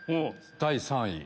第３位。